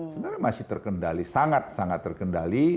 sebenarnya masih terkendali sangat sangat terkendali